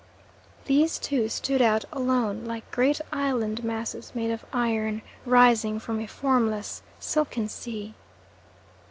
These two stood out alone, like great island masses made of iron rising from a formless, silken sea.